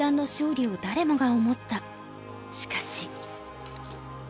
しかし。